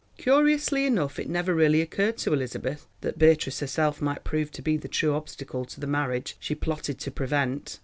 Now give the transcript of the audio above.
Curiously enough it never really occurred to Elizabeth that Beatrice herself might prove to be the true obstacle to the marriage she plotted to prevent.